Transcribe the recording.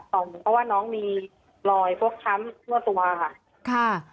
เพราะว่าน้องมีรอยฟกช้ำทั่วตัวค่ะ